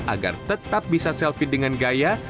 agar tetap bisa selfie dengan gaya